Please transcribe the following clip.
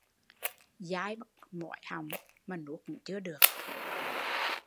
Dai bắt mỏi họng mà nuốt cũng chưa được